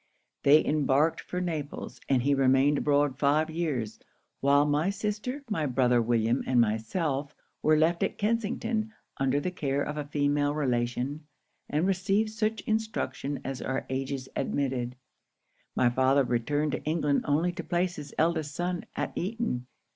They embarked for Naples; and he remained abroad five years; while my sister, my brother William, and myself, were left at Kensington, under the care of a female relation, and received such instruction as our ages admitted. 'My father returned to England only to place his eldest son at Eton.